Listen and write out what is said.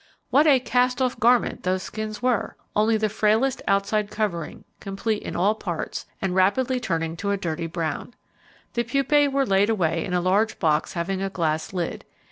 What a "cast off garment" those skins were! Only the frailest outside covering, complete in all parts, and rapidly turning to a dirty brown. The pupae were laid away in a large box having a glass lid.